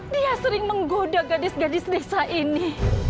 dia sering menggoda gadis gadis desa ini